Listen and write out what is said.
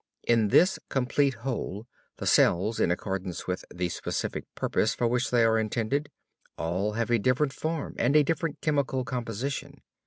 In this complete whole the cells, in accordance with the specific purpose for which they are intended, all have a different form and a different chemical composition.